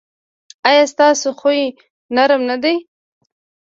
ایا ستاسو خوی نرم نه دی؟